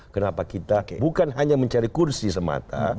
kenapa kita bukan hanya mencari kursi semata